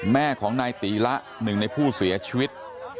แม่ของนายตีละหนึ่งในผู้เสียชีวิต